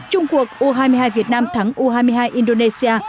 trung cuộc u hai mươi hai việt nam thắng u hai mươi hai indonesia